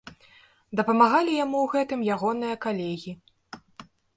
Дапамагалі яму ў гэтым ягоныя калегі.